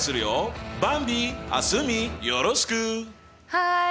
はい。